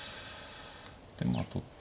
でまあ取って。